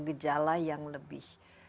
gejala yang lebih